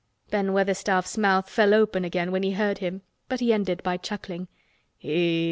Ben Weatherstaff's mouth fell open again when he heard him, but he ended by chuckling. "Eh!"